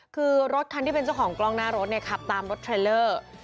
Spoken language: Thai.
คือรถคันที่เป็นเจ้าของกล้องหน้ารถเนี่ยขับตามรถเทรลเลอร์